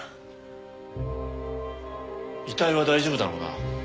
遺体は大丈夫だろうな？